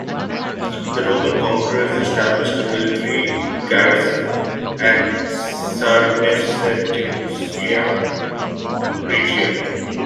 The Roman conquerors established a military garrison at Sarmisegetusa Regia.